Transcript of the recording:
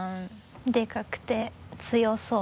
でかくて強そう。